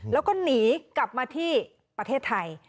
แล้วก็หนีกลับมาที่ประเทศไทย